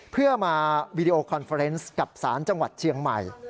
เพื่อมาวีดีโอคอนเฟอร์เนส์กับสารจังหวัดเชียงใหม่